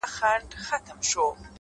موږه غله نه يوو چي د غلو طرفدارې به کوو-